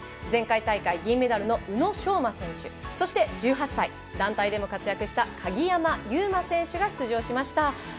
前回大会銀メダルの宇野昌磨選手そして１８歳団体でも活躍した鍵山優真選手が出場しました。